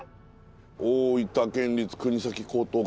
大分県立国東高等学校。